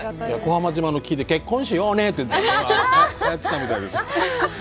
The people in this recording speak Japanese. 小浜島の木で「結婚しようね」ってあれがはやってたみたいです。